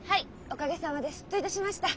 おかげさまですっといたしました。